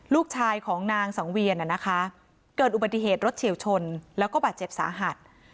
ลูกชายของนางสังเวียนนะคะเกิดอุบัติเหตุรถเฉียวชนแล้วก็บาดเจ็บสาหัส